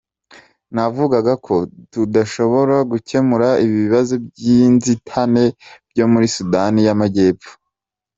Navugaga ko tudashobora gukemura ibibazo by’inzitane byo muri Sudani y’Amajyepfo.